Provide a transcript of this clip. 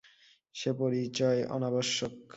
সে পরিচয় অনাবশ্যক।